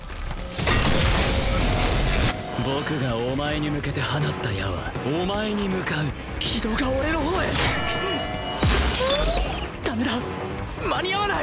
僕がお前に向けて放った矢はお前に向かう軌道が俺の方へダメだ間に合わない！